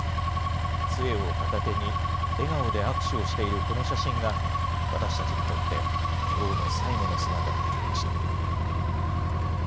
つえを片手に、笑顔で握手をしているこの写真が、私たちにとって、女王の最後の姿となりました。